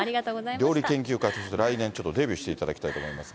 料理研究家として来年デビューしていただきたいと思いますが。